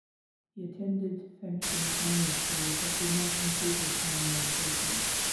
He attended Fengshan Primary School but did not complete his primary education.